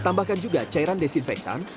tambahkan juga cairan desinfektan